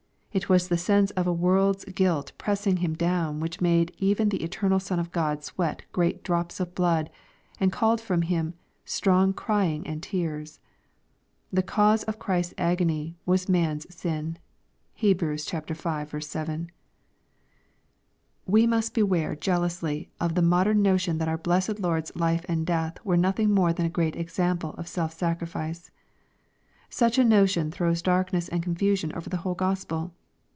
It was the sense of a world's guilt pressing Him down which made even the eternal Son of Grod sweat great drops of blood, and called from Him " strong crying and tears." The cause of Christ's agony was man's sin. (Heb. v. 7.) We must beware jealously of the modern notion that our blessed Lord's life and death were nothing more than a great example of self sacrifice. Such a notion throws darkness and confusion over the whole Gospel.